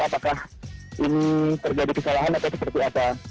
apakah ini terjadi kesalahan atau seperti apa